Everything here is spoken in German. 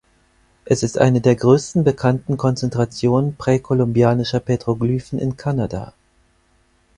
Es ist eine der größten bekannten Konzentrationen präkolumbischer Petroglyphen in Kanada.